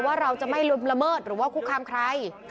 ว่าเราจะไม่ลุมละเมิดหรือว่าคุกคามใคร